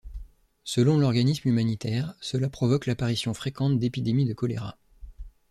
Selon l’organisme humanitaire, cela provoque l’apparition fréquente d’épidémies de choléra.